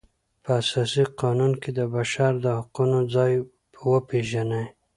په اساسي قانون کې د بشر د حقونو ځای وپیژني.